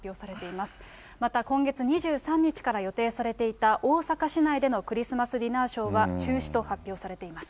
また今月２３日から予定されていた大阪市内でのクリスマスディナーショーは中止と発表されています。